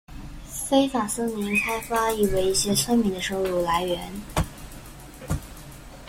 非法森林开发亦为一些村民的收入来源。